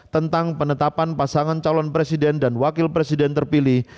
tentang penetapan pasangan calon presiden dan wakil presiden terpilih